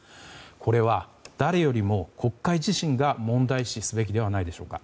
これは、誰よりも国会自身が問題視すべきではないでしょうか。